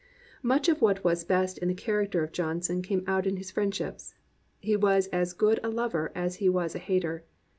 Much of what was best in the character of John son came out in his friendships. He was as good a lover as he was a hater.